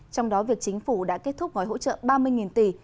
trong đó việc chính phủ đã kết thúc gói hỗ trợ ba mươi tỷ